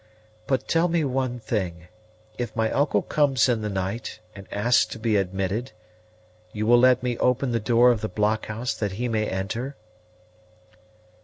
But tell me one thing: if my uncle comes in the night, and asks to be admitted, you will let me open the door of the blockhouse that he may enter?"